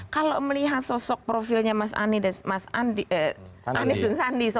kalau melihat sosok profilnya mas anies dan sandi